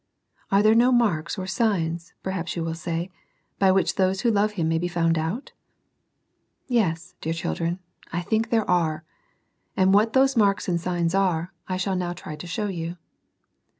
Are there no marks or signs, perhaps you will say, by which those who love Him may be found out ? Yes, dear children, I think there are; and what those marks and signs are, I shall now try to show you.